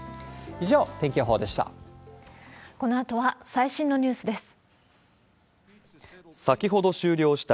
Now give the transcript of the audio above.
以上、天気予報でした。